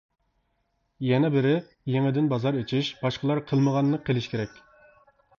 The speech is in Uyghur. يەنە بىرى، يېڭىدىن بازار ئېچىش، باشقىلار قىلمىغاننى قىلىش كېرەك.